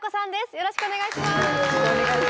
よろしくお願いします。